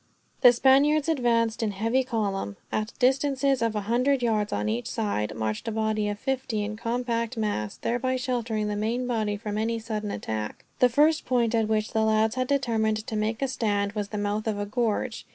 The Spaniards advanced in heavy column. At a distance of a hundred yards, on each side, marched a body of fifty in compact mass, thereby sheltering the main body from any sudden attack. The first point at which the lads had determined to make a stand was the mouth of a gorge.